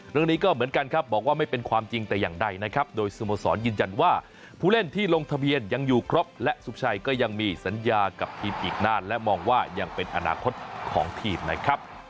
เรื่องนี้ก็เหมือนกันครับบอกว่าไม่เป็นความจริงแต่อย่างใดนะครับโดยสโมสรยืนยันว่าผู้เล่นที่ลงทะเบียนยังอยู่ครบและสุขชัยก็ยังมีสัญญากับทีมอีกนานและมองว่ายังเป็นอนาคตของทีมนะครับ